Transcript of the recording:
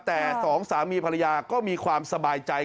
แต่สองสามีภรรยาก็มีความสบายใจ